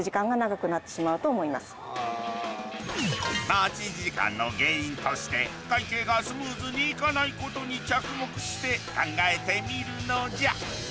待ち時間の原因として会計がスムーズにいかないことに着目して考えてみるのじゃ。